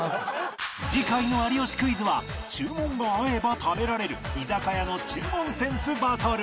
次回の『有吉クイズ』は注文が合えば食べられる居酒屋の注文センスバトル